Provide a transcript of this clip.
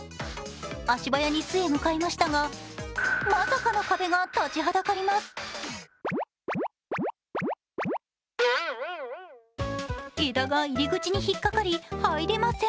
足早に巣へ向かいましたがまさかの壁が立ちはだかります。